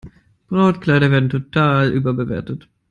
Brautkleider werden total überbewertet.